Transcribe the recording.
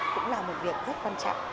cũng là một việc rất quan trọng